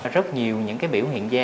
rất nhiều những biểu hiện da